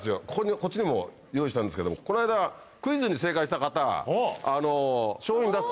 こっちにも用意してあるんですけどもこの間クイズに正解した方。